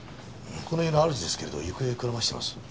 この家の主ですけれど行方をくらませてます。